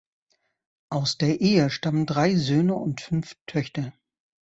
Aus der Ehe stammen drei Söhne und fünf Töchter.